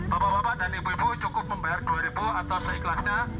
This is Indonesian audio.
bapak bapak dan ibu ibu cukup membayar rp dua atau seikhlasnya